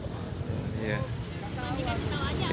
cuma dikasih tahu aja